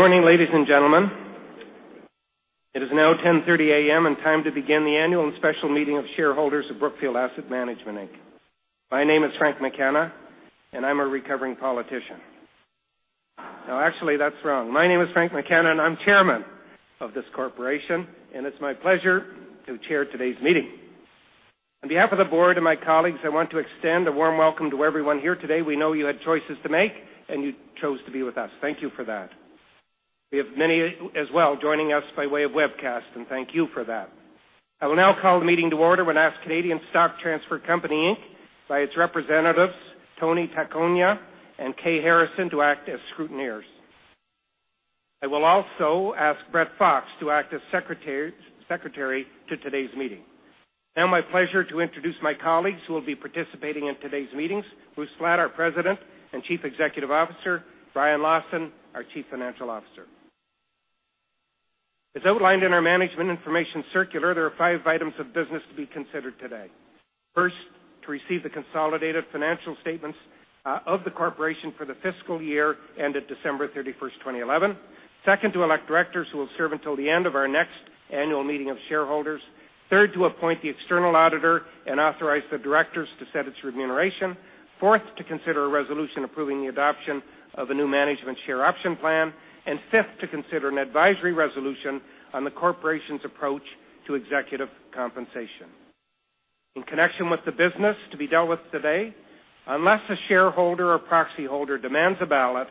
Good morning, ladies and gentlemen. It is now 10:30 A.M. and time to begin the annual and special meeting of shareholders of Brookfield Asset Management Inc. My name is Frank McKenna, and I'm a recovering politician. No, actually that's wrong. My name is Frank McKenna, and I'm Chairman of this corporation, and it's my pleasure to chair today's meeting. On behalf of the board and my colleagues, I want to extend a warm welcome to everyone here today. We know you had choices to make, and you chose to be with us. Thank you for that. We have many as well joining us by way of webcast, and thank you for that. I will now call the meeting to order and ask Canadian Stock Transfer Company Inc. by its representatives, Tony Tacogna and Kay Harrison, to act as scrutineers. I will also ask Brett Fox to act as Secretary to today's meeting. Now, it is my pleasure to introduce my colleagues who will be participating in today's meetings. Bruce Flatt, our President and Chief Executive Officer, Brian Lawson, our Chief Financial Officer. As outlined in our management information circular, there are five items of business to be considered today. First, to receive the consolidated financial statements of the corporation for the fiscal year ended December 31st, 2011. Second, to elect directors who will serve until the end of our next annual meeting of shareholders. Third, to appoint the external auditor and authorize the directors to set its remuneration. Fourth, to consider a resolution approving the adoption of a new management share option plan, and fifth, to consider an advisory resolution on the corporation's approach to executive compensation. In connection with the business to be dealt with today, unless a shareholder or proxy holder demands a ballot,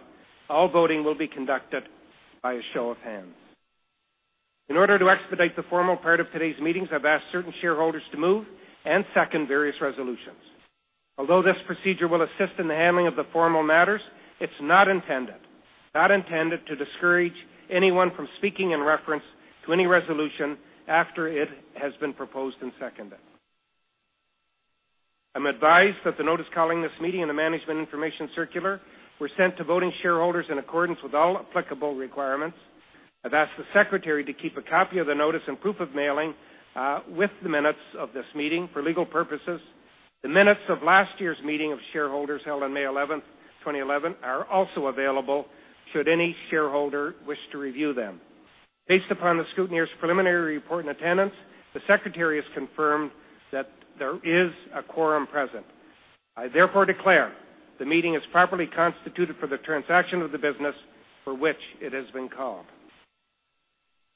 all voting will be conducted by a show of hands. In order to expedite the formal part of today's meetings, I've asked certain shareholders to move and second various resolutions. Although this procedure will assist in the handling of the formal matters, it's not intended to discourage anyone from speaking in reference to any resolution after it has been proposed and seconded. I'm advised that the notice calling this meeting and the management information circular were sent to voting shareholders in accordance with all applicable requirements. I've asked the Secretary to keep a copy of the notice and proof of mailing with the minutes of this meeting for legal purposes. The minutes of last year's meeting of shareholders held on May 11th, 2011, are also available should any shareholder wish to review them. Based upon the scrutineer's preliminary report and attendance, the Secretary has confirmed that there is a quorum present. I therefore declare the meeting is properly constituted for the transaction of the business for which it has been called.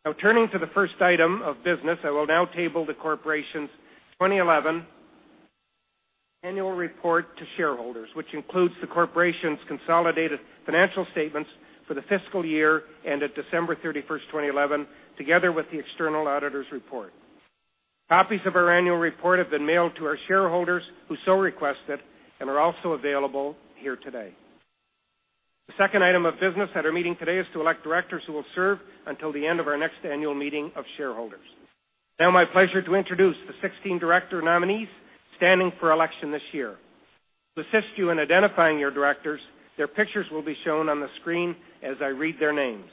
Now turning to the first item of business, I will now table the corporation's 2011 annual report to shareholders, which includes the corporation's consolidated financial statements for the fiscal year ended December 31st, 2011, together with the external auditor's report. Copies of our annual report have been mailed to our shareholders who so requested and are also available here today. The second item of business at our meeting today is to elect directors who will serve until the end of our next annual meeting of shareholders. Now my pleasure to introduce the 16 director nominees standing for election this year. To assist you in identifying your directors, their pictures will be shown on the screen as I read their names.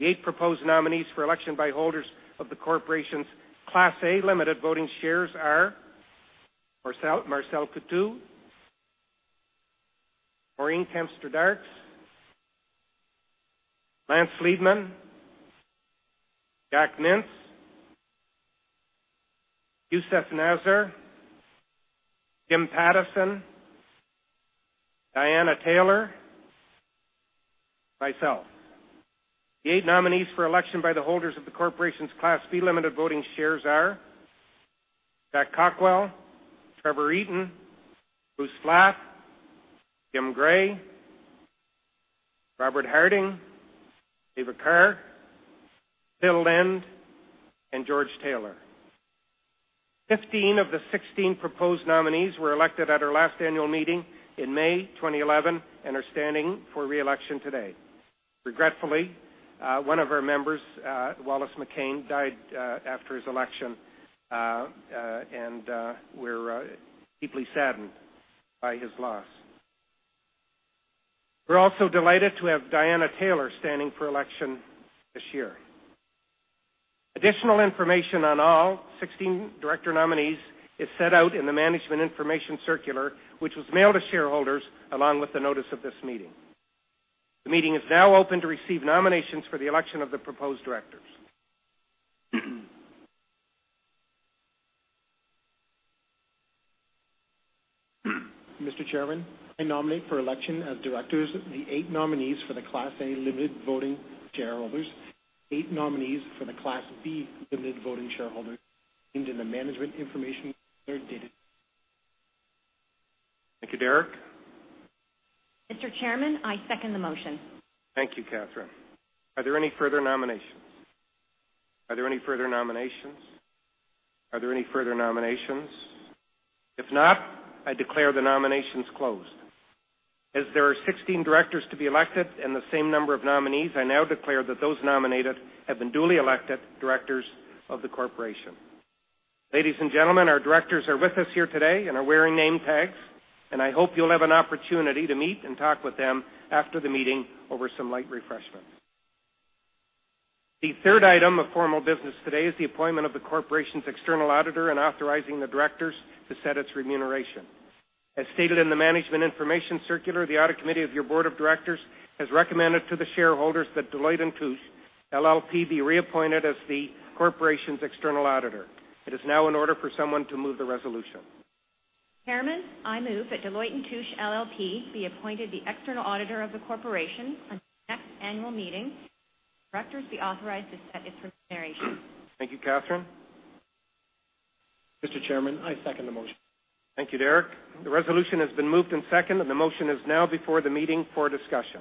The eight proposed nominees for election by holders of the corporation's Class A limited voting shares are Marcel Coutu, Maureen Kempston Darkes, Lance Freeman, Jack Mintz, Youssef Nasr, Jim Pattison, Diana Taylor, myself. The eight nominees for election by the holders of the corporation's Class B limited voting shares are Jack Cockwell, Trevor Eyton, Bruce Flatt, Jim Gray, Robert Harding, David Kerr, Philip Lind, and George Taylor. 15 of the 16 proposed nominees were elected at our last annual meeting in May 2011 and are standing for re-election today. Regretfully, one of our members, Wallace McCain, died after his election. We're deeply saddened by his loss. We're also delighted to have Diana Taylor standing for election this year. Additional information on all 16 director nominees is set out in the management information circular, which was mailed to shareholders along with the notice of this meeting. The meeting is now open to receive nominations for the election of the proposed directors. Mr. Chairman, I nominate for election as directors the eight nominees for the Class A limited voting shareholders, eight nominees for the Class B limited voting shareholders named in the management information circular dated- Thank you, Derek. Mr. Chairman, I second the motion. Thank you, Catherine. Are there any further nominations? Are there any further nominations? Are there any further nominations? If not, I declare the nominations closed. As there are 16 directors to be elected and the same number of nominees, I now declare that those nominated have been duly elected directors of the corporation. Ladies and gentlemen, our directors are with us here today and are wearing name tags, and I hope you'll have an opportunity to meet and talk with them after the meeting over some light refreshments. The third item of formal business today is the appointment of the corporation's external auditor and authorizing the directors to set its remuneration. As stated in the management information circular, the audit committee of your board of directors has recommended to the shareholders that Deloitte & Touche LLP be reappointed as the corporation's external auditor. It is now in order for someone to move the resolution. Chairman, I move that Deloitte & Touche LLP be appointed the external auditor of the corporation on next annual meeting, directors be authorized to set its remuneration. Thank you, Catherine. Mr. Chairman, I second the motion. Thank you, Derek. The resolution has been moved and seconded, the motion is now before the meeting for discussion.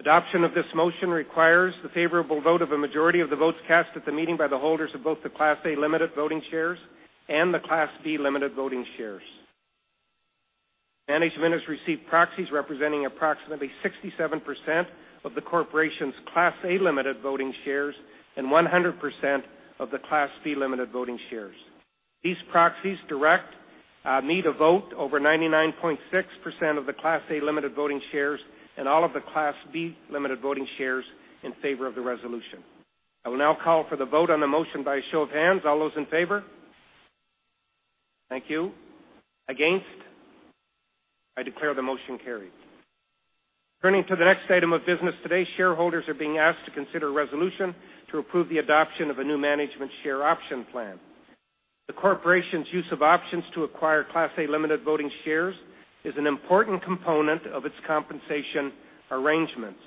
Adoption of this motion requires the favorable vote of a majority of the votes cast at the meeting by the holders of both the Class A limited voting shares and the Class B limited voting shares. Management has received proxies representing approximately 67% of the corporation's Class A limited voting shares and 100% of the Class B limited voting shares. These proxies direct me to vote over 99.6% of the Class A limited voting shares and all of the Class B limited voting shares in favor of the resolution. I will now call for the vote on the motion by a show of hands. All those in favor? Thank you. Against? I declare the motion carried. Turning to the next item of business. Today, shareholders are being asked to consider a resolution to approve the adoption of a new management share option plan. The corporation's use of options to acquire Class A limited voting shares is an important component of its compensation arrangements.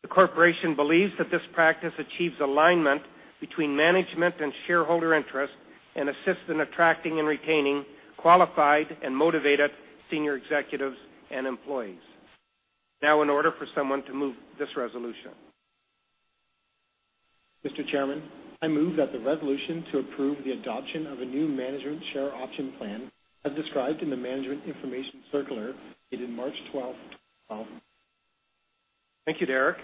The corporation believes that this practice achieves alignment between management and shareholder interest and assists in attracting and retaining qualified and motivated senior executives and employees. In order for someone to move this resolution. Mr. Chairman, I move that the resolution to approve the adoption of a new management share option plan, as described in the Management Information Circular dated March 12, 2012. Thank you, Derek.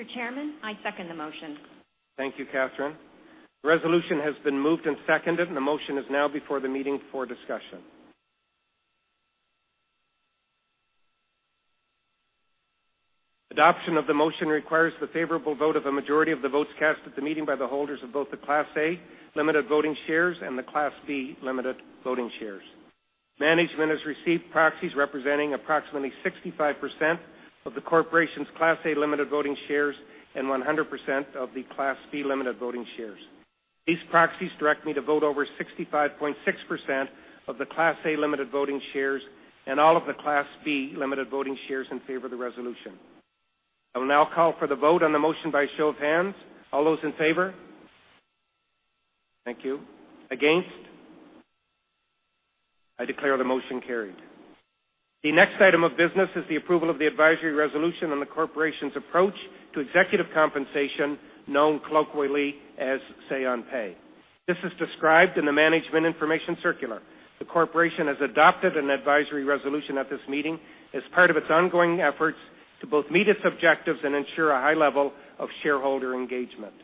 Mr. Chairman, I second the motion. Thank you, Catherine. The resolution has been moved and seconded, and the motion is now before the meeting for discussion. Adoption of the motion requires the favorable vote of a majority of the votes cast at the meeting by the holders of both the Class A limited voting shares and the Class B limited voting shares. Management has received proxies representing approximately 65% of the corporation's Class A limited voting shares and 100% of the Class B limited voting shares. These proxies direct me to vote over 65.6% of the Class A limited voting shares and all of the Class B limited voting shares in favor of the resolution. I will now call for the vote on the motion by show of hands. All those in favor? Thank you. Against? I declare the motion carried. The next item of business is the approval of the advisory resolution on the corporation's approach to executive compensation, known colloquially as say on pay. This is described in the Management Information Circular. The corporation has adopted an advisory resolution at this meeting as part of its ongoing efforts to both meet its objectives and ensure a high level of shareholder engagement.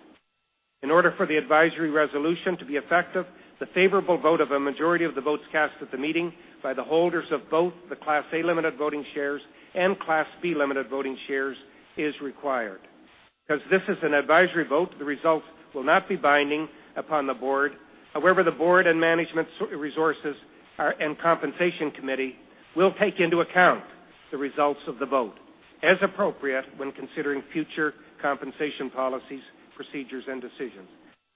In order for the advisory resolution to be effective, the favorable vote of a majority of the votes cast at the meeting by the holders of both the Class A limited voting shares and Class B limited voting shares is required. Because this is an advisory vote, the results will not be binding upon the board. However, the board and management resources and compensation committee will take into account the results of the vote as appropriate when considering future compensation policies, procedures, and decisions.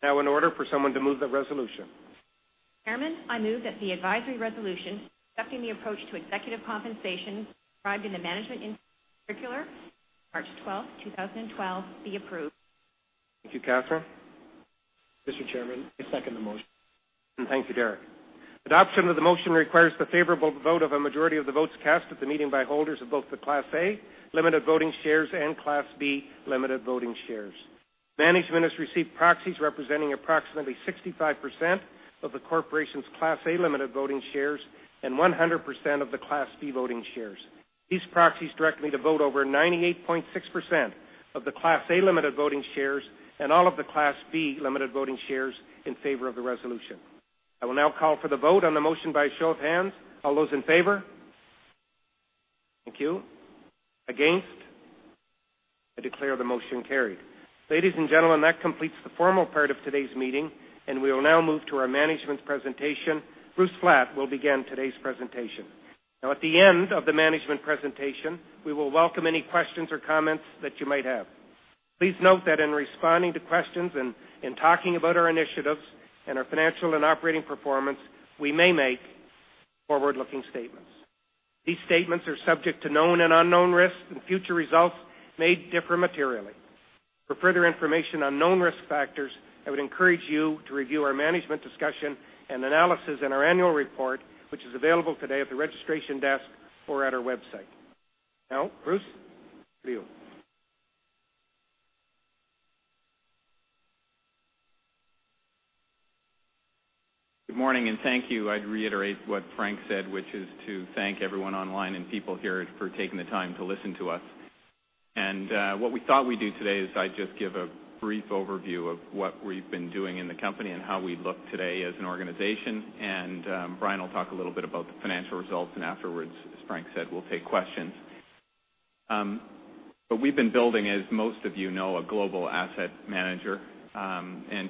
In order for someone to move the resolution. Chairman, I move that the advisory resolution accepting the approach to executive compensation described in the Management Information Circular, March 12th, 2012, be approved. Thank you, Catherine. Mr. Chairman, I second the motion. Thank you, Derek. Adoption of the motion requires the favorable vote of a majority of the votes cast at the meeting by holders of both the Class A limited voting shares and Class B limited voting shares. Management has received proxies representing approximately 65% of the corporation's Class A limited voting shares and 100% of the Class B voting shares. These proxies direct me to vote over 98.6% of the Class A limited voting shares and all of the Class B limited voting shares in favor of the resolution. I will now call for the vote on the motion by show of hands. All those in favor? Thank you. Against? I declare the motion carried. Ladies and gentlemen, that completes the formal part of today's meeting, and we will now move to our management presentation. Bruce Flatt will begin today's presentation. At the end of the management presentation, we will welcome any questions or comments that you might have. Please note that in responding to questions and in talking about our initiatives and our financial and operating performance, we may make forward-looking statements. These statements are subject to known and unknown risks, and future results may differ materially. For further information on known risk factors, I would encourage you to review our Management Discussion and Analysis in our annual report, which is available today at the registration desk or at our website. Bruce, to you. Good morning, thank you. I'd reiterate what Frank said, which is to thank everyone online and people here for taking the time to listen to us. What we thought we'd do today is I'd just give a brief overview of what we've been doing in the company, and how we look today as an organization. Brian will talk a little bit about the financial results, afterwards, as Frank said, we'll take questions. We've been building, as most of you know, a global asset manager.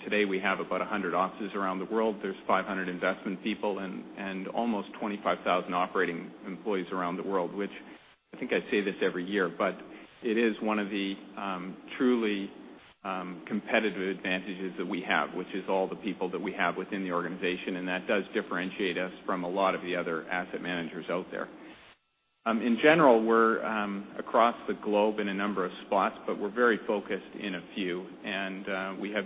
Today we have about 100 offices around the world. There's 500 investment people and almost 25,000 operating employees around the world, which I think I say this every year, but it is one of the truly competitive advantages that we have, which is all the people that we have within the organization. That does differentiate us from a lot of the other asset managers out there. In general, we're across the globe in a number of spots, but we're very focused in a few. We have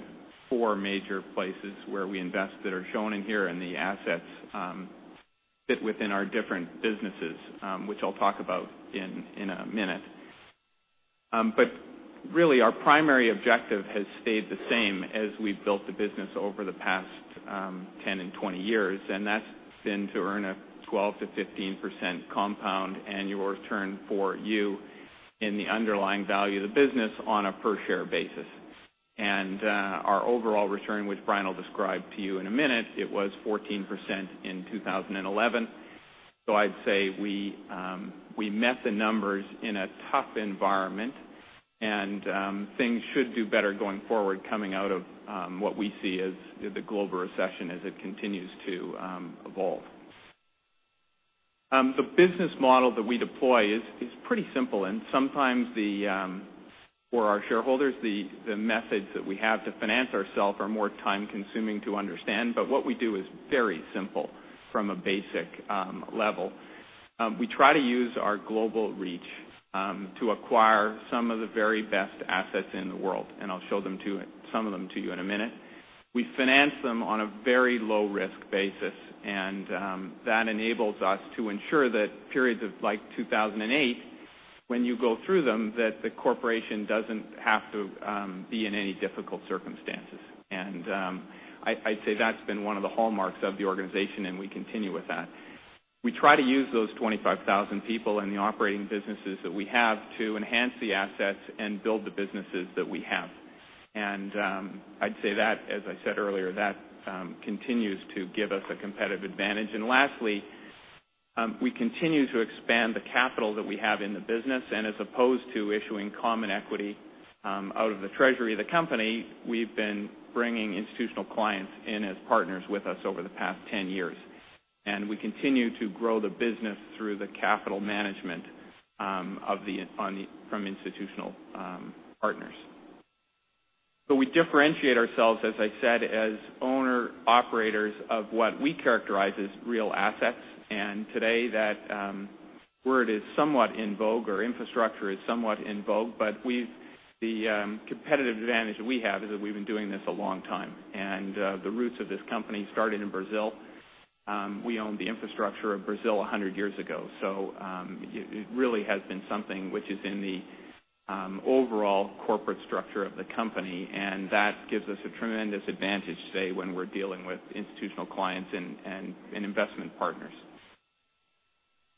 four major places where we invest that are shown in here. The assets fit within our different businesses, which I'll talk about in a minute. Really, our primary objective has stayed the same as we've built the business over the past 10 and 20 years, and that's been to earn a 12%-15% compound annual return for you in the underlying value of the business on a per share basis. Our overall return, which Brian will describe to you in a minute, was 14% in 2011. I'd say we met the numbers in a tough environment, and things should do better going forward, coming out of what we see as the global recession as it continues to evolve. The business model that we deploy is pretty simple, and sometimes for our shareholders, the methods that we have to finance ourselves are more time-consuming to understand. What we do is very simple from a basic level. We try to use our global reach to acquire some of the very best assets in the world, and I'll show some of them to you in a minute. We finance them on a very low risk basis, and that enables us to ensure that periods of like 2008, when you go through them, that the corporation doesn't have to be in any difficult circumstances. I'd say that's been one of the hallmarks of the organization, and we continue with that. We try to use those 25,000 people in the operating businesses that we have to enhance the assets and build the businesses that we have. I'd say that, as I said earlier, that continues to give us a competitive advantage. Lastly, we continue to expand the capital that we have in the business. As opposed to issuing common equity out of the treasury of the company, we've been bringing institutional clients in as partners with us over the past 10 years. We continue to grow the business through the capital management from institutional partners. We differentiate ourselves, as I said, as owner operators of what we characterize as real assets. Today that word is somewhat in vogue, or infrastructure is somewhat in vogue. The competitive advantage that we have is that we've been doing this a long time. The roots of this company started in Brazil. We owned the infrastructure of Brazil 100 years ago. It really has been something which is in the overall corporate structure of the company, and that gives us a tremendous advantage today when we're dealing with institutional clients and investment partners.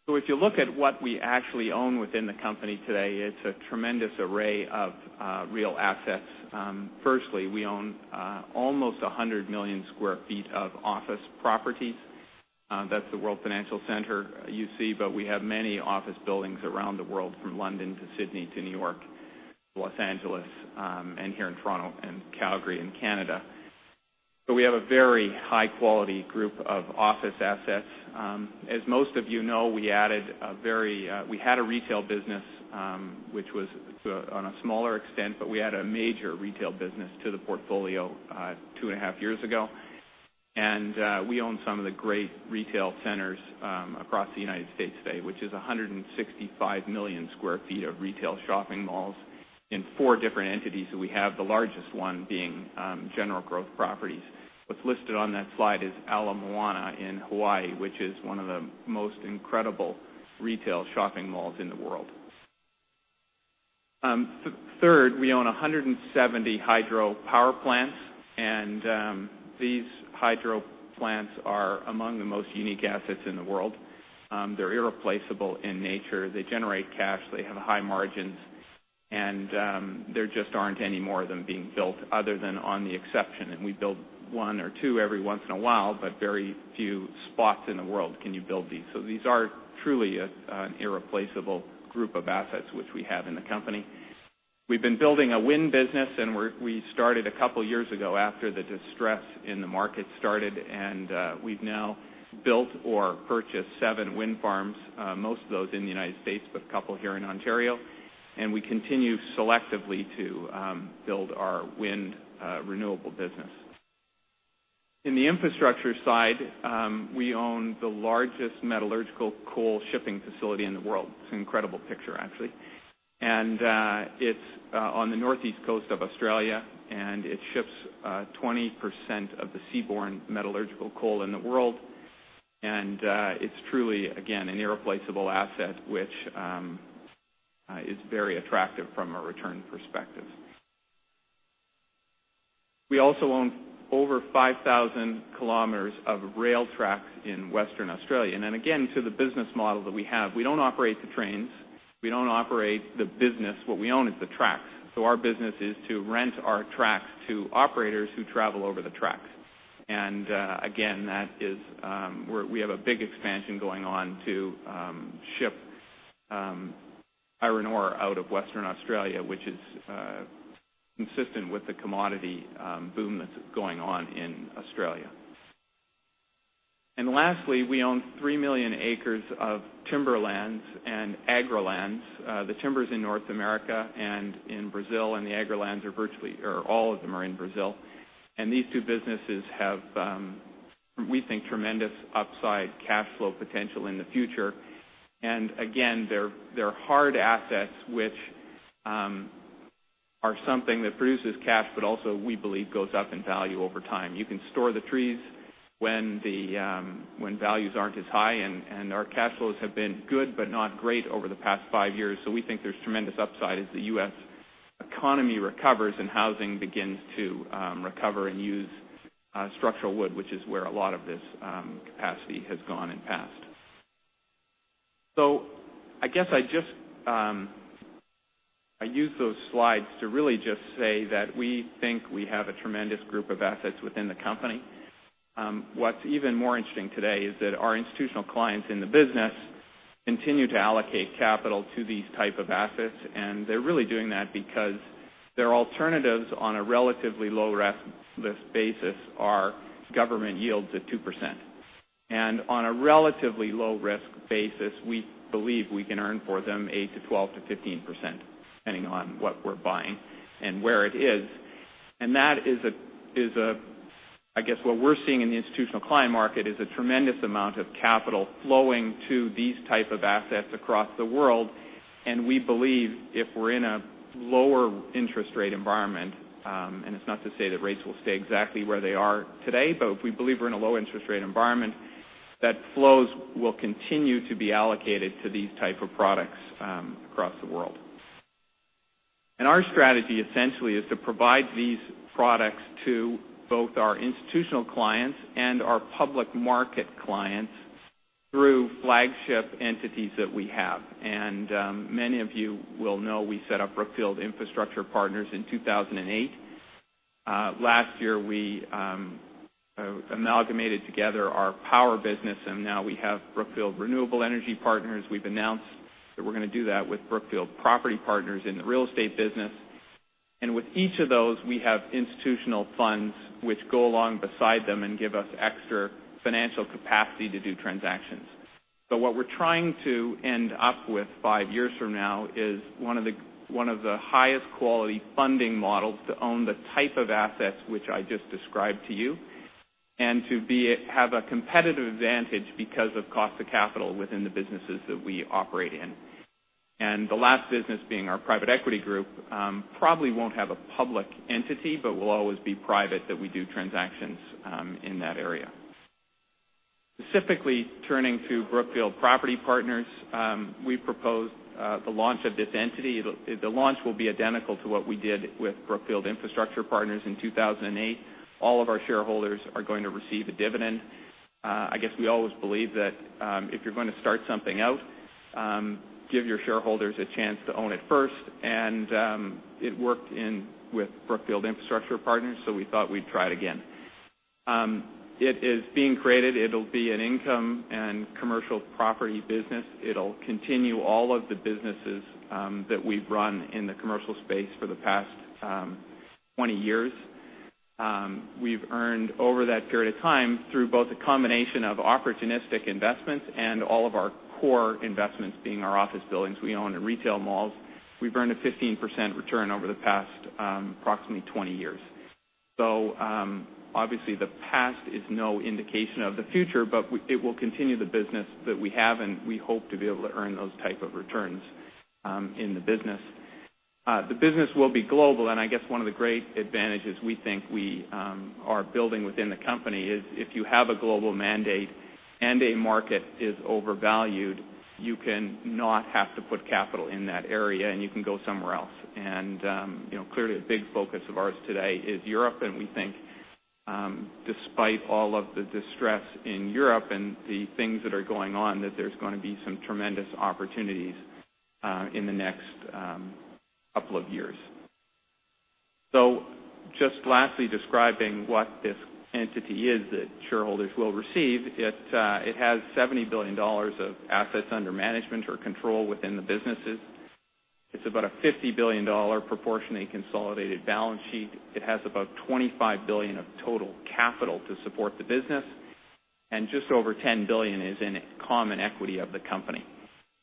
If you look at what we actually own within the company today, it's a tremendous array of real assets. Firstly, we own almost 100 million sq ft of office properties. That's the World Financial Center you see. But we have many office buildings around the world, from London to Sydney to New York, Los Angeles, and here in Toronto and Calgary in Canada. We have a very high quality group of office assets. As most of you know, we had a retail business which was on a smaller extent, but we add a major retail business to the portfolio two and a half years ago. We own some of the great retail centers across the U.S. today, which is 165 million sq ft of retail shopping malls in four different entities that we have, the largest one being General Growth Properties. What's listed on that slide is Ala Moana in Hawaii, which is one of the most incredible retail shopping malls in the world. Third, we own 170 hydro power plants. These hydro plants are among the most unique assets in the world. They're irreplaceable in nature. They generate cash, they have high margins. There just aren't any more of them being built other than on the exception. We build one or two every once in a while, but very few spots in the world can you build these. These are truly an irreplaceable group of assets which we have in the company. We've been building a wind business. We started a couple of years ago after the distress in the market started. We've now built or purchased seven wind farms, most of those in the U.S., but a couple here in Ontario. We continue selectively to build our wind renewable business. In the infrastructure side, we own the largest metallurgical coal shipping facility in the world. It's an incredible picture, actually. It's on the northeast coast of Australia. It ships 20% of the seaborne metallurgical coal in the world. It's truly, again, an irreplaceable asset, which is very attractive from a return perspective. We also own over 5,000 km of rail tracks in Western Australia. Again, to the business model that we have, we don't operate the trains. We don't operate the business. What we own is the tracks. Our business is to rent our tracks to operators who travel over the tracks. Again, we have a big expansion going on to ship iron ore out of Western Australia, which is consistent with the commodity boom that's going on in Australia. Lastly, we own 3 million acres of timberlands and agri-lands. The timber's in North America and in Brazil. The agri-lands, all of them are in Brazil. These two businesses have, we think, tremendous upside cash flow potential in the future. Again, they're hard assets, which are something that produces cash, but also we believe goes up in value over time. You can store the trees when values aren't as high. Our cash flows have been good but not great over the past five years. We think there's tremendous upside as the U.S. economy recovers and housing begins to recover and use structural wood, which is where a lot of this capacity has gone in the past. I guess I use those slides to really just say that we think we have a tremendous group of assets within the company. What's even more interesting today is that our institutional clients in the business continue to allocate capital to these type of assets. They're really doing that because their alternatives on a relatively low-risk basis are government yields at 2%. On a relatively low-risk basis, we believe we can earn for them 8%-12%-15%, depending on what we're buying and where it is. I guess what we're seeing in the institutional client market is a tremendous amount of capital flowing to these type of assets across the world. We believe if we're in a lower interest rate environment, and it's not to say that rates will stay exactly where they are today, but we believe we're in a low interest rate environment, that flows will continue to be allocated to these type of products across the world. Our strategy essentially is to provide these products to both our institutional clients and our public market clients through flagship entities that we have. Many of you will know, we set up Brookfield Infrastructure Partners in 2008. Last year, we amalgamated together our power business, now we have Brookfield Renewable Energy Partners. We've announced that we're going to do that with Brookfield Property Partners in the real estate business. With each of those, we have institutional funds which go along beside them and give us extra financial capacity to do transactions. What we're trying to end up with 5 years from now is one of the highest quality funding models to own the type of assets which I just described to you, and to have a competitive advantage because of cost of capital within the businesses that we operate in. The last business being our private equity group, probably won't have a public entity, but will always be private, that we do transactions in that area. Specifically turning to Brookfield Property Partners, we've proposed the launch of this entity. The launch will be identical to what we did with Brookfield Infrastructure Partners in 2008. All of our shareholders are going to receive a dividend. I guess we always believe that if you're going to start something out, give your shareholders a chance to own it first. It worked with Brookfield Infrastructure Partners, we thought we'd try it again. It is being created. It'll be an income and commercial property business. It'll continue all of the businesses that we've run in the commercial space for the past 20 years. We've earned over that period of time through both a combination of opportunistic investments and all of our core investments, being our office buildings we own and retail malls. We've earned a 15% return over the past approximately 20 years. Obviously the past is no indication of the future, but it will continue the business that we have, and we hope to be able to earn those type of returns in the business. The business will be global, I guess one of the great advantages we think we are building within the company is if you have a global mandate and a market is overvalued, you can not have to put capital in that area, and you can go somewhere else. Clearly a big focus of ours today is Europe, we think, despite all of the distress in Europe and the things that are going on, that there's going to be some tremendous opportunities in the next couple of years. Just lastly, describing what this entity is that shareholders will receive. It has $70 billion of assets under management or control within the businesses. It's about a $50 billion proportionately consolidated balance sheet. It has about $25 billion of total capital to support the business. Just over $10 billion is in common equity of the company.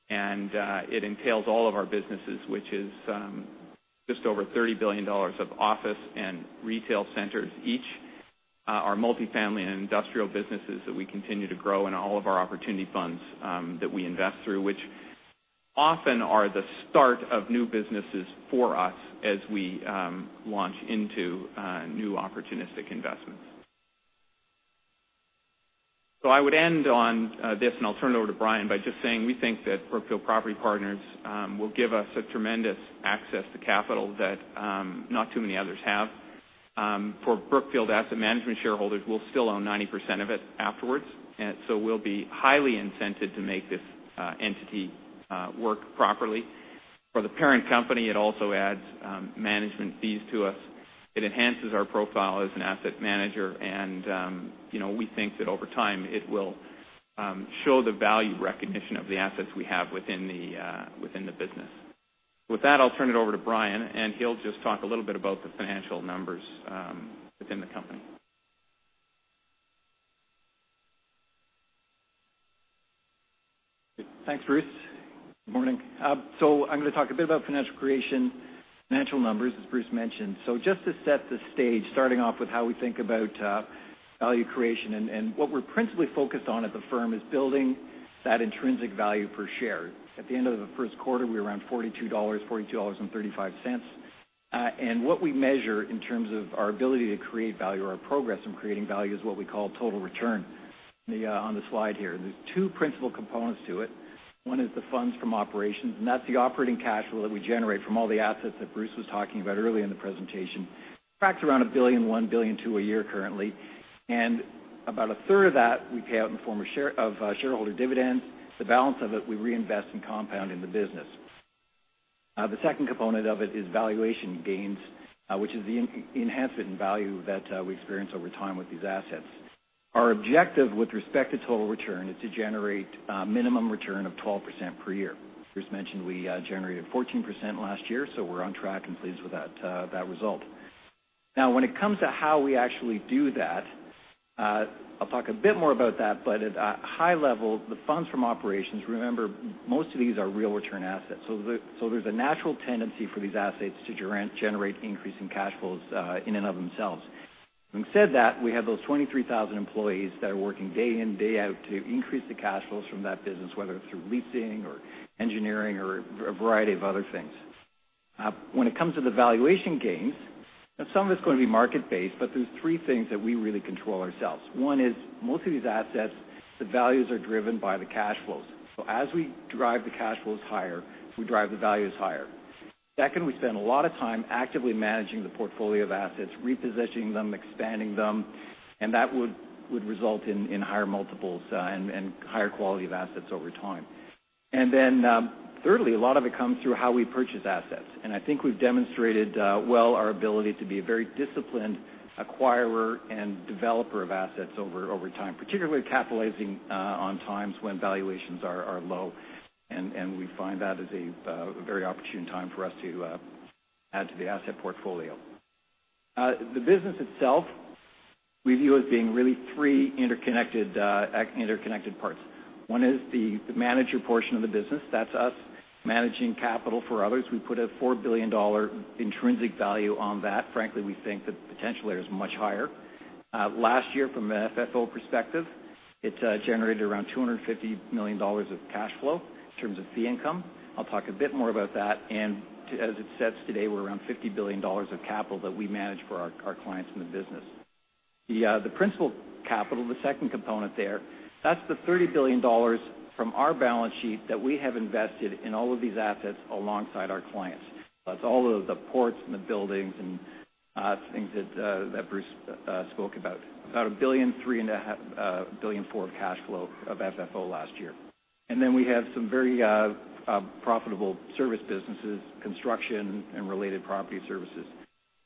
It entails all of our businesses, which is just over $30 billion of office and retail centers each. Our multifamily and industrial businesses that we continue to grow, and all of our opportunity funds that we invest through, which often are the start of new businesses for us as we launch into new opportunistic investments. I would end on this, and I'll turn it over to Brian, by just saying we think that Brookfield Property Partners will give us a tremendous access to capital that not too many others have. For Brookfield Asset Management shareholders, we'll still own 90% of it afterwards, we'll be highly incented to make this entity work properly. For the parent company, it also adds management fees to us. It enhances our profile as an asset manager, we think that over time, it will show the value recognition of the assets we have within the business. With that, I'll turn it over to Brian, he'll just talk a little bit about the financial numbers within the company. Thanks, Bruce. Morning. I'm going to talk a bit about financial creation, financial numbers, as Bruce mentioned. Just to set the stage, starting off with how we think about value creation. What we're principally focused on at the firm is building that intrinsic value per share. At the end of the first quarter, we were around $42, $42.35. What we measure in terms of our ability to create value or our progress in creating value is what we call total return, on the slide here. There's two principal components to it. One is the funds from operations, that's the operating cash flow that we generate from all the assets that Bruce was talking about earlier in the presentation. In fact, around $1.1 billion, $1.2 billion a year currently. About a third of that we pay out in form of shareholder dividends. The balance of it, we reinvest and compound in the business. The second component of it is valuation gains, which is the enhancement in value that we experience over time with these assets. Our objective with respect to total return is to generate a minimum return of 12% per year. Bruce mentioned we generated 14% last year, we're on track and pleased with that result. When it comes to how we actually do that, I'll talk a bit more about that, but at a high level, the funds from operations, remember, most of these are real return assets. There's a natural tendency for these assets to generate increasing cash flows in and of themselves. Having said that, we have those 23,000 employees that are working day in, day out to increase the cash flows from that business, whether it's through leasing or engineering or a variety of other things. When it comes to the valuation gains, some of it's going to be market-based, but there's three things that we really control ourselves. One is most of these assets, the values are driven by the cash flows. As we drive the cash flows higher, we drive the values higher. Second, we spend a lot of time actively managing the portfolio of assets, repositioning them, expanding them, and that would result in higher multiples and higher quality of assets over time. Thirdly, a lot of it comes through how we purchase assets. I think we've demonstrated well our ability to be a very disciplined acquirer and developer of assets over time, particularly capitalizing on times when valuations are low. We find that is a very opportune time for us to add to the asset portfolio. The business itself we view as being really three interconnected parts. One is the manager portion of the business. That's us managing capital for others. We put a $4 billion intrinsic value on that. Frankly, we think the potential there is much higher. Last year from an FFO perspective, it generated around $250 million of cash flow in terms of fee income. I'll talk a bit more about that. As it says today, we're around $50 billion of capital that we manage for our clients in the business. The principal capital, the second component there, that's the $30 billion from our balance sheet that we have invested in all of these assets alongside our clients. That's all of the ports and the buildings and things that Bruce spoke about. About $1.3 billion and $1.4 billion of cash flow of FFO last year. We have some very profitable service businesses, construction, and related property services.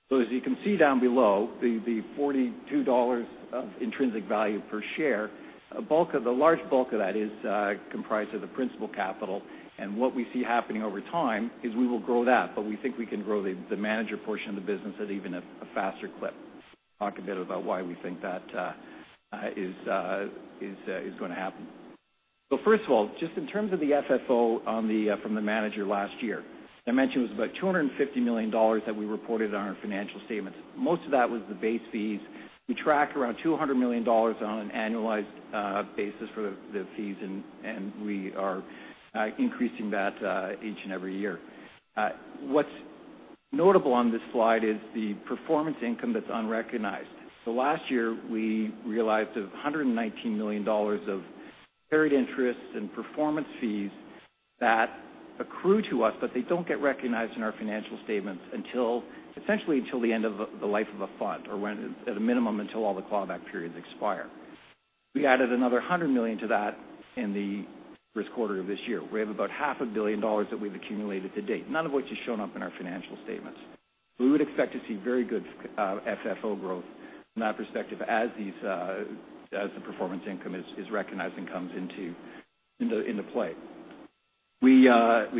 As you can see down below, the $42 of intrinsic value per share, a large bulk of that is comprised of the principal capital. What we see happening over time is we will grow that, but we think we can grow the manager portion of the business at even a faster clip. Talk a bit about why we think that is going to happen. First of all, just in terms of the FFO from the manager last year, I mentioned it was about $250 million that we reported on our financial statements. Most of that was the base fees. We tracked around $200 million on an annualized basis for the fees, and we are increasing that each and every year. What's notable on this slide is the performance income that's unrecognized. Last year, we realized $119 million of carried interest and performance fees that accrue to us, but they don't get recognized in our financial statements essentially until the end of the life of a fund or when at a minimum until all the clawback periods expire. We added another $100 million to that in the first quarter of this year. We have about half a billion dollars that we've accumulated to date, none of which has shown up in our financial statements. We would expect to see very good FFO growth from that perspective as the performance income is recognized and comes into play. We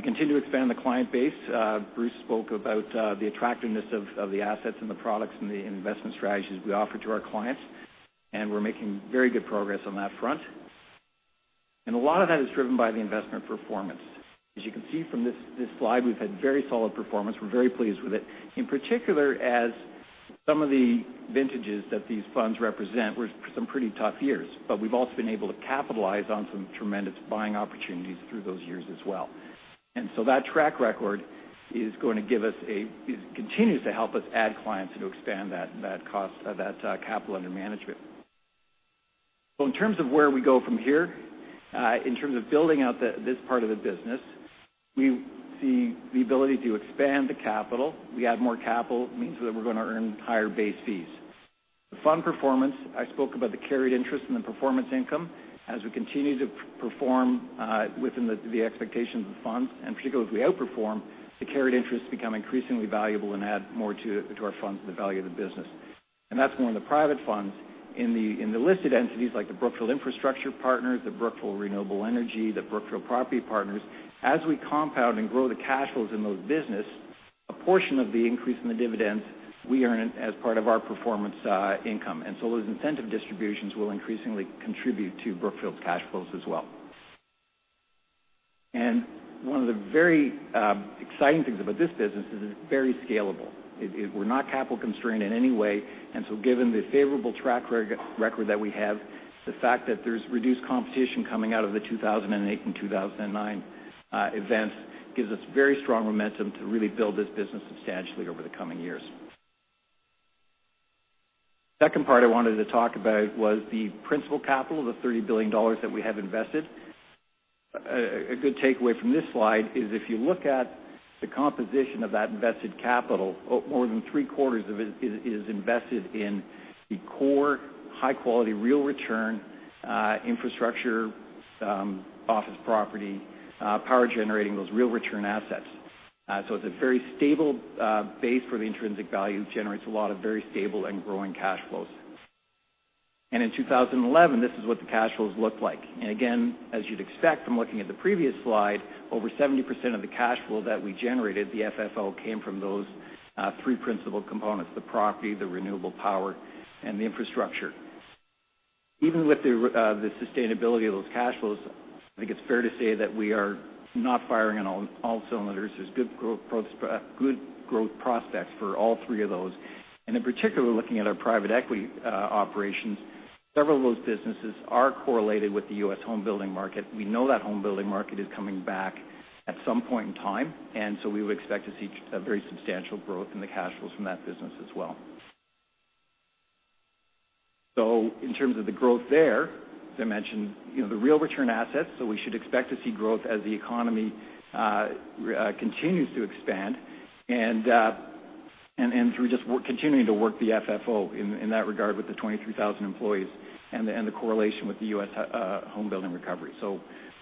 continue to expand the client base. Bruce spoke about the attractiveness of the assets and the products and the investment strategies we offer to our clients. We're making very good progress on that front. A lot of that is driven by the investment performance. As you can see from this slide, we've had very solid performance. We're very pleased with it. In particular, as some of the vintages that these funds represent were some pretty tough years. We've also been able to capitalize on some tremendous buying opportunities through those years as well. That track record continues to help us add clients and to expand that capital under management. In terms of where we go from here, in terms of building out this part of the business, we see the ability to expand the capital. We add more capital, means that we're going to earn higher base fees. The fund performance, I spoke about the carried interest and the performance income. As we continue to perform within the expectations of the funds, particularly if we outperform, the carried interests become increasingly valuable and add more to our funds and the value of the business. That's more in the private funds. In the listed entities like the Brookfield Infrastructure Partners, the Brookfield Renewable Energy, the Brookfield Property Partners, as we compound and grow the cash flows in those business, a portion of the increase in the dividends we earn as part of our performance income. Those incentive distributions will increasingly contribute to Brookfield's cash flows as well. One of the very exciting things about this business is it's very scalable. We're not capital constrained in any way. Given the favorable track record that we have, the fact that there's reduced competition coming out of the 2008 and 2009 events gives us very strong momentum to really build this business substantially over the coming years. Second part I wanted to talk about was the principal capital, the $30 billion that we have invested. A good takeaway from this slide is if you look at the composition of that invested capital, more than three quarters of it is invested in the core, high-quality, real return, infrastructure, office property, power generating, those real return assets. It's a very stable base for the intrinsic value, generates a lot of very stable and growing cash flows. In 2011, this is what the cash flows looked like. Again, as you'd expect from looking at the previous slide, over 70% of the cash flow that we generated, the FFO, came from those three principal components, the property, the renewable power, and the infrastructure. Even with the sustainability of those cash flows, I think it's fair to say that we are not firing on all cylinders. There's good growth prospects for all three of those. In particular, looking at our private equity operations, several of those businesses are correlated with the U.S. home building market. We know that home building market is coming back at some point in time, we would expect to see very substantial growth in the cash flows from that business as well. In terms of the growth there, as I mentioned, the real return assets, we should expect to see growth as the economy continues to expand and through just continuing to work the FFO in that regard with the 23,000 employees and the correlation with the U.S. home building recovery.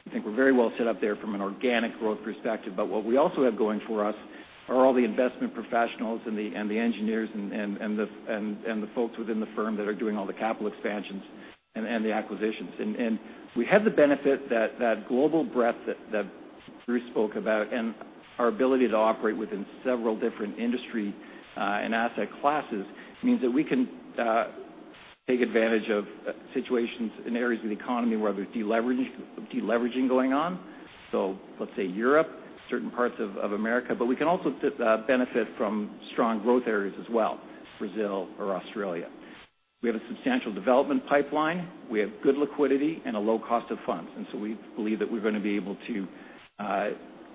I think we're very well set up there from an organic growth perspective. What we also have going for us are all the investment professionals and the engineers and the folks within the firm that are doing all the capital expansions and the acquisitions. We have the benefit that global breadth that Bruce spoke about, and our ability to operate within several different industry and asset classes means that we can take advantage of situations in areas of the economy where there's de-leveraging going on. Let's say Europe, certain parts of America, we can also benefit from strong growth areas as well, Brazil or Australia. We have a substantial development pipeline. We have good liquidity and a low cost of funds. We believe that we're going to be able to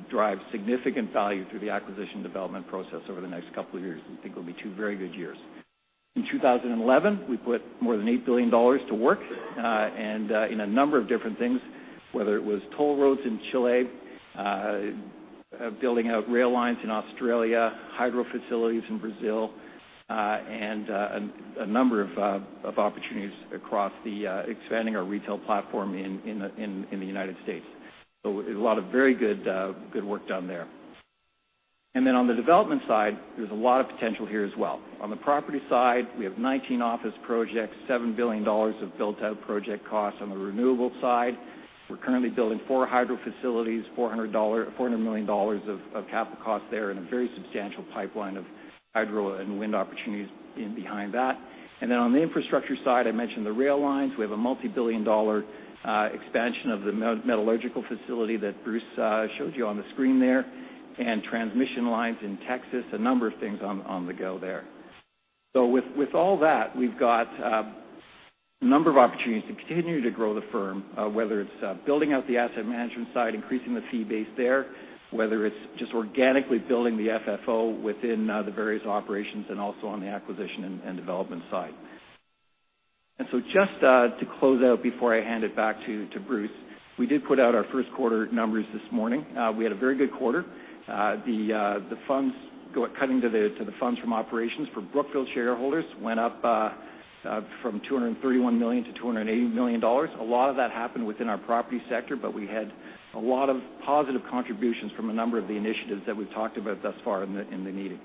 drive significant value through the acquisition development process over the next couple of years. We think it'll be two very good years. In 2011, we put more than $8 billion to work in a number of different things, whether it was toll roads in Chile, building out rail lines in Australia, hydro facilities in Brazil, and a number of opportunities across the expanding our retail platform in the United States. A lot of very good work done there. On the development side, there's a lot of potential here as well. On the property side, we have 19 office projects, $7 billion of built-out project costs. On the renewable side, we're currently building four hydro facilities, $400 million of capital costs there, and a very substantial pipeline of hydro and wind opportunities in behind that. On the infrastructure side, I mentioned the rail lines. We have a multi-billion dollar expansion of the metallurgical facility that Bruce showed you on the screen there, and transmission lines in Texas. A number of things on the go there. With all that, we've got a number of opportunities to continue to grow the firm, whether it's building out the asset management side, increasing the fee base there, whether it's just organically building the FFO within the various operations and also on the acquisition and development side. Just to close out before I hand it back to Bruce, we did put out our first quarter numbers this morning. We had a very good quarter. Cutting to the funds from operations for Brookfield shareholders went up from $231 million to $280 million. A lot of that happened within our property sector, but we had a lot of positive contributions from a number of the initiatives that we've talked about thus far in the meeting.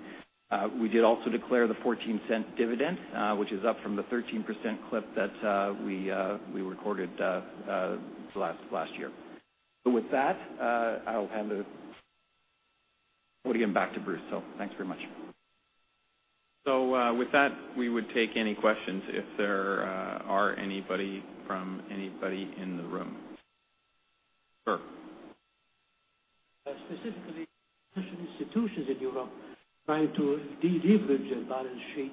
We did also declare the $0.14 dividend, which is up from the $0.13 clip that we recorded last year. With that, I'll hand it again back to Bruce. Thanks very much. With that, we would take any questions if there are any from anybody in the room. Sir. Specifically, financial institutions in Europe trying to deleverage their balance sheets.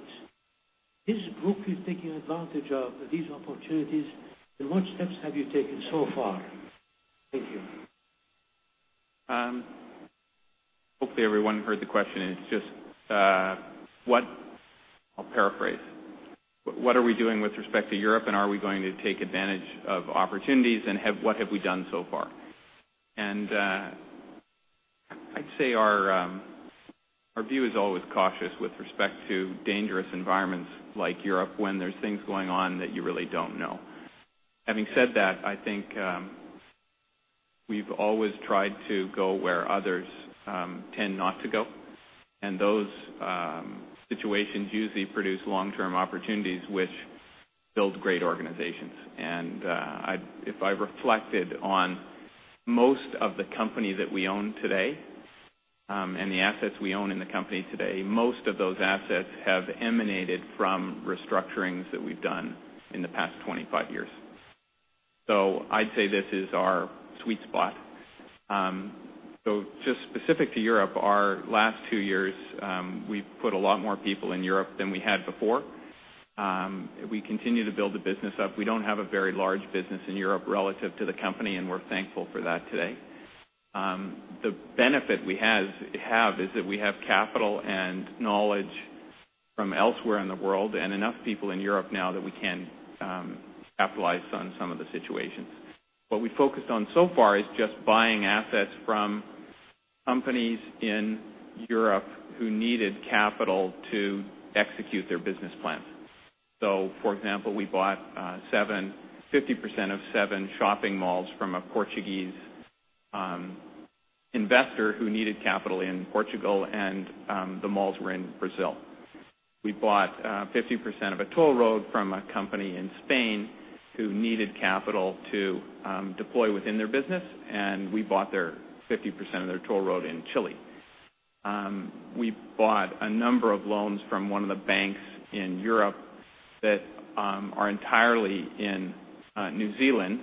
Is Brookfield taking advantage of these opportunities, and what steps have you taken so far? Thank you. Hopefully everyone heard the question. I'll paraphrase. What are we doing with respect to Europe, and are we going to take advantage of opportunities, and what have we done so far? I'd say our view is always cautious with respect to dangerous environments like Europe when there's things going on that you really don't know. Having said that, I think we've always tried to go where others tend not to go, and those situations usually produce long-term opportunities, which build great organizations. If I reflected on most of the company that we own today, and the assets we own in the company today, most of those assets have emanated from restructurings that we've done in the past 25 years. I'd say this is our sweet spot. Just specific to Europe, our last two years, we've put a lot more people in Europe than we had before. We continue to build the business up. We don't have a very large business in Europe relative to the company, and we're thankful for that today. The benefit we have is that we have capital and knowledge from elsewhere in the world, and enough people in Europe now that we can capitalize on some of the situations. What we've focused on so far is just buying assets from companies in Europe who needed capital to execute their business plans. For example, we bought 50% of seven shopping malls from a Portuguese investor who needed capital in Portugal, and the malls were in Brazil. We bought 50% of a toll road from a company in Spain who needed capital to deploy within their business, and we bought 50% of their toll road in Chile. We bought a number of loans from one of the banks in Europe that are entirely in New Zealand,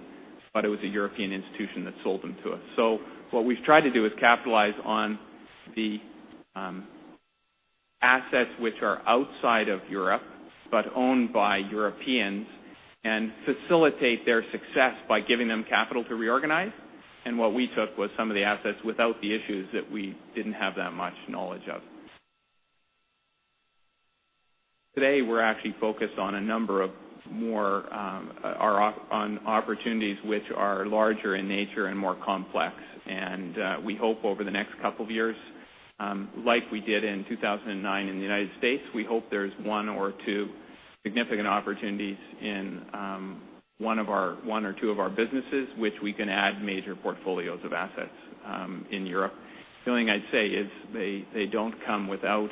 but it was a European institution that sold them to us. What we've tried to do is capitalize on the assets which are outside of Europe, but owned by Europeans, and facilitate their success by giving them capital to reorganize. What we took was some of the assets without the issues that we didn't have that much knowledge of. Today, we're actually focused on opportunities which are larger in nature and more complex. We hope over the next couple of years, like we did in 2009 in the United States, we hope there's one or two significant opportunities in one or two of our businesses, which we can add major portfolios of assets in Europe. The only thing I'd say is they don't come without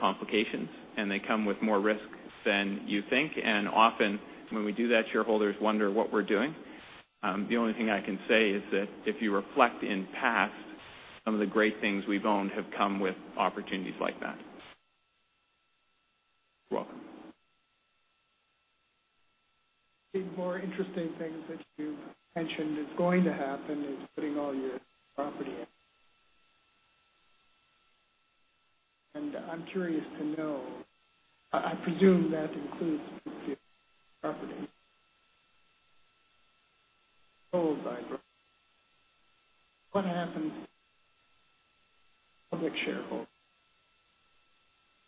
complications, and they come with more risk than you think. Often, when we do that, shareholders wonder what we're doing. The only thing I can say is that if you reflect in past, some of the great things we've owned have come with opportunities like that. You're welcome. One of the more interesting things that you mentioned is going to happen is putting all your property. I'm curious to know, I presume that includes Brookfield Property, controlled by Brookfield. What happens to the public shareholders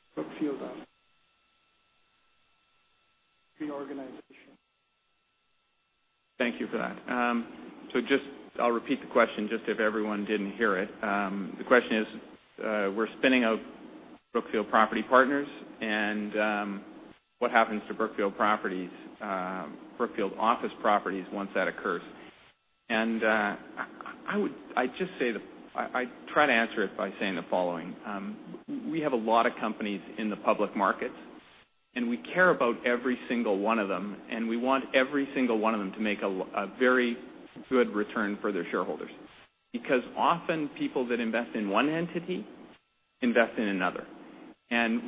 of Brookfield Properties during this reorganization? Thank you for that. I'll repeat the question just if everyone didn't hear it. The question is, we're spinning out Brookfield Property Partners, and what happens to Brookfield Office Properties once that occurs. I'd try to answer it by saying the following. We have a lot of companies in the public market, and we care about every single one of them, and we want every single one of them to make a very good return for their shareholders. Often people that invest in one entity invest in another.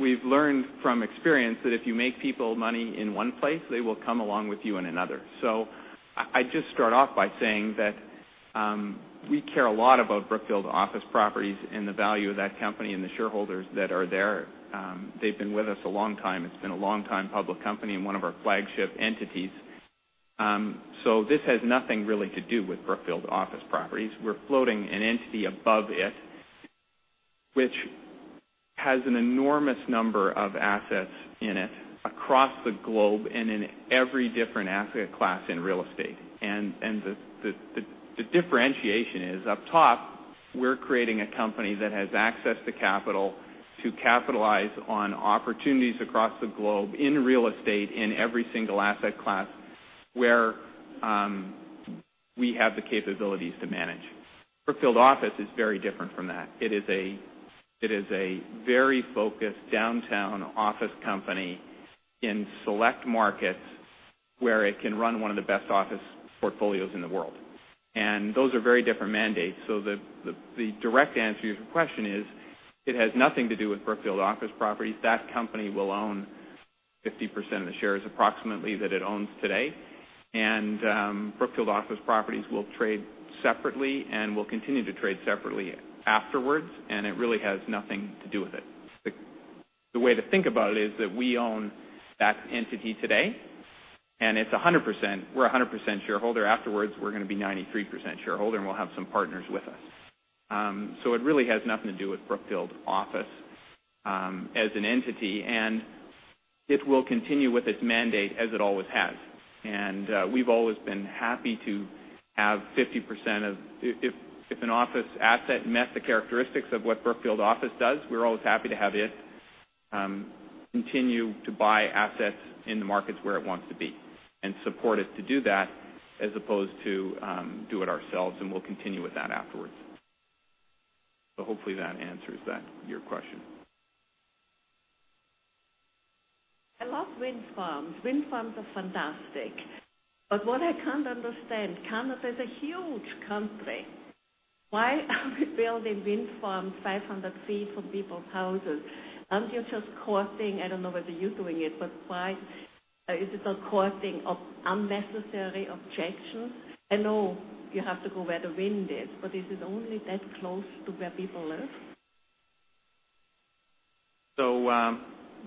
We've learned from experience that if you make people money in one place, they will come along with you in another. I'd just start off by saying that we care a lot about Brookfield Office Properties and the value of that company and the shareholders that are there. They've been with us a long time. It's been a long-time public company and one of our flagship entities. This has nothing really to do with Brookfield Office Properties. We're floating an entity above it, which has an enormous number of assets in it across the globe and in every different asset class in real estate. The differentiation is up top, we're creating a company that has access to capital to capitalize on opportunities across the globe in real estate in every single asset class where we have the capabilities to manage. Brookfield Office is very different from that. It is a very focused downtown office company in select markets where it can run one of the best office portfolios in the world. Those are very different mandates. The direct answer to your question is, it has nothing to do with Brookfield Office Properties. That company will own 50% of the shares approximately that it owns today. Brookfield Office Properties will trade separately and will continue to trade separately afterwards, and it really has nothing to do with it. The way to think about it is that we own that entity today, and we're 100% shareholder. Afterwards, we're going to be 93% shareholder and we'll have some partners with us. It really has nothing to do with Brookfield Office as an entity, and it will continue with its mandate as it always has. We've always been happy to have 50% of If an office asset met the characteristics of what Brookfield Office does, we're always happy to have it continue to buy assets in the markets where it wants to be and support it to do that, as opposed to do it ourselves, and we'll continue with that afterwards. Hopefully that answers your question. I love wind farms. Wind farms are fantastic. What I can't understand, Canada's a huge country. Why are we building wind farms 500 feet from people's houses? Aren't you just causing, I don't know whether you're doing it, why is it causing unnecessary objection? I know you have to go where the wind is it only that close to where people live?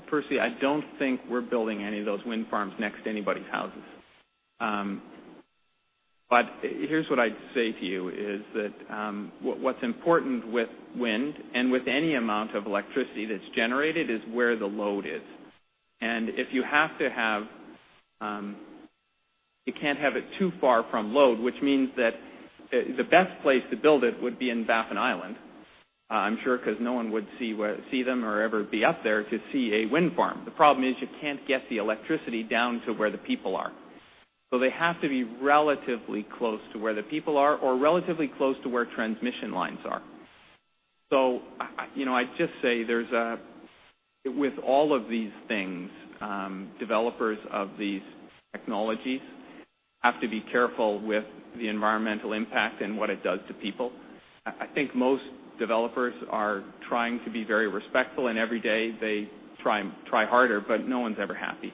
Firstly, I don't think we're building any of those wind farms next to anybody's houses. Here's what I'd say to you is that what's important with wind and with any amount of electricity that's generated is where the load is. You can't have it too far from load, which means that the best place to build it would be in Baffin Island, I'm sure, because no one would see them or ever be up there to see a wind farm. The problem is you can't get the electricity down to where the people are. They have to be relatively close to where the people are or relatively close to where transmission lines are. I'd just say with all of these things, developers of these technologies have to be careful with the environmental impact and what it does to people. I think most developers are trying to be very respectful, every day they try harder, no one's ever happy,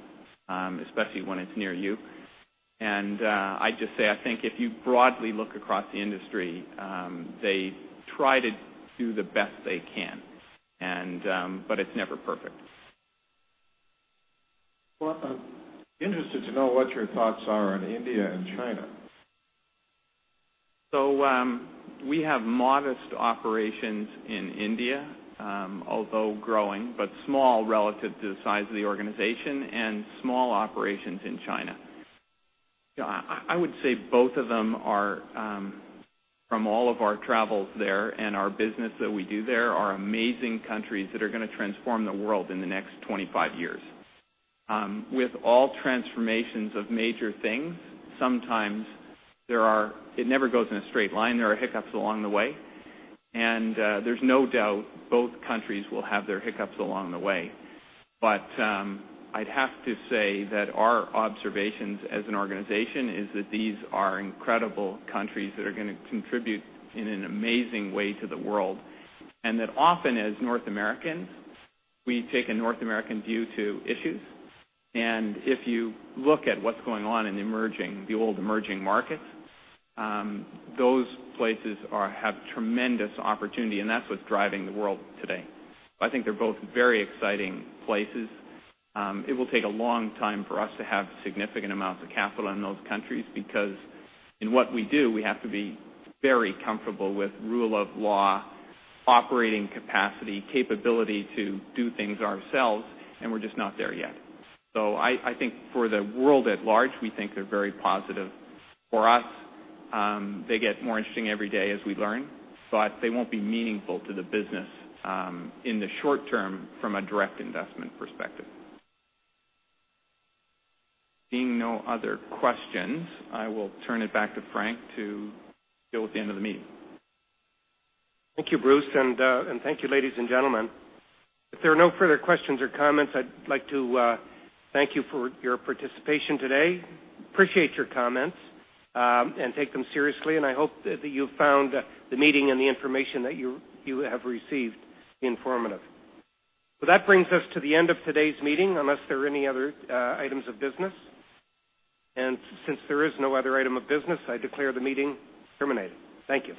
especially when it's near you. I'd just say, I think if you broadly look across the industry, they try to do the best they can. It's never perfect. Well, I'm interested to know what your thoughts are on India and China. We have modest operations in India, although growing, but small relative to the size of the organization, and small operations in China. I would say both of them are, from all of our travels there and our business that we do there, are amazing countries that are going to transform the world in the next 25 years. With all transformations of major things, sometimes it never goes in a straight line. There are hiccups along the way. There's no doubt both countries will have their hiccups along the way. I'd have to say that our observations as an organization is that these are incredible countries that are going to contribute in an amazing way to the world. That often as North Americans, we take a North American view to issues. If you look at what's going on in the old emerging markets, those places have tremendous opportunity, and that's what's driving the world today. I think they're both very exciting places. It will take a long time for us to have significant amounts of capital in those countries because in what we do, we have to be very comfortable with rule of law, operating capacity, capability to do things ourselves, and we're just not there yet. I think for the world at large, we think they're very positive. For us, they get more interesting every day as we learn, but they won't be meaningful to the business in the short term from a direct investment perspective. Seeing no other questions, I will turn it back to Frank to go with the end of the meeting. Thank you, Bruce, and thank you, ladies and gentlemen. If there are no further questions or comments, I'd like to thank you for your participation today. Appreciate your comments, take them seriously, I hope that you found the meeting and the information that you have received informative. That brings us to the end of today's meeting, unless there are any other items of business. Since there is no other item of business, I declare the meeting terminated. Thank you.